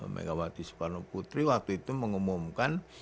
megawati soekarno putri waktu itu mengumumkan